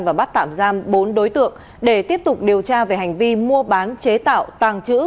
và bắt tạm giam bốn đối tượng để tiếp tục điều tra về hành vi mua bán chế tạo tàng trữ